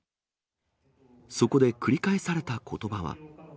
そこで繰り返されたことばは。